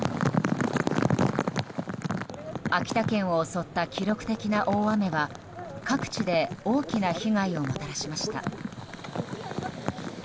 秋田県を襲った記録的な大雨は各地で大きな被害をもたらしました。